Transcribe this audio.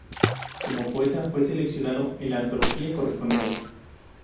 Como poeta, fue seleccionado en la antología "Correspondencias.